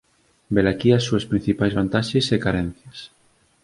Velaquí as súas principais vantaxes e carencias.